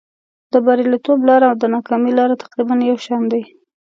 د بریالیتوب لاره او د ناکامۍ لاره تقریبا یو شان دي.